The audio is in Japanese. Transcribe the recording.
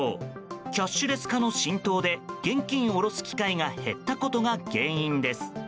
キャッシュレス化の浸透で現金を下ろす機会が減ったことが原因です。